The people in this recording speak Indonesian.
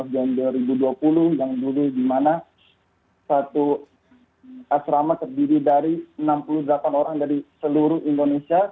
jadi dimana satu asrama terdiri dari enam puluh delapan orang dari seluruh indonesia